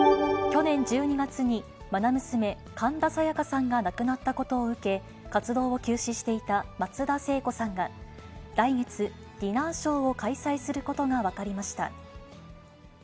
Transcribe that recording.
去年１２月に、まな娘、神田沙也加さんが亡くなったことを受け、活動を休止していた松田聖子さんが、来月、ディナーショーを開催することが分かりました。